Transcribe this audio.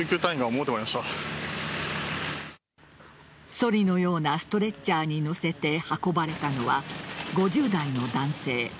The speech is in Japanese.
そりのようなストレッチャーに乗せて運ばれたのは５０代の男性。